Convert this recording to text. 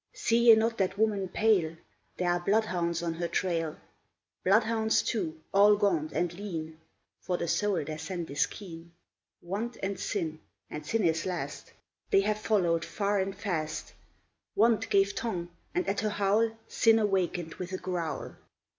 See ye not that woman pale? There are bloodhounds on her trail! Bloodhounds two, all gaunt and lean, For the soul their scent is keen, Want and Sin, and Sin is last, They have followed far and fast, Want gave tongue, and, at her howl, Sin awakened with a growl.